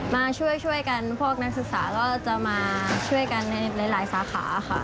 มาช่วยกันพวกนักศึกษาก็จะมาช่วยกันในหลายสาขาค่ะ